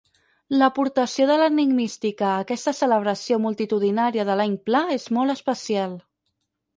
L'aportació de l'enigmística a aquesta celebració multitudinària de l'any Pla és molt especial.